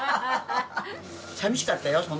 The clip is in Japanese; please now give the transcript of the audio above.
さみしかったよ